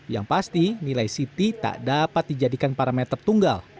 yang pasti nilai ct tak dapat dijadikan parameter tunggal